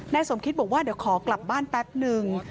สมคิตบอกว่าเดี๋ยวขอกลับบ้านแป๊บนึง